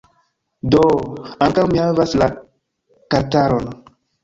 Do, ankaŭ mi havas la kartaron